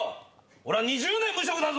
俺は２０年無職だぞ！